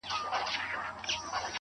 هغه د زړونو د دنـيـا لــه درده ولـوېږي.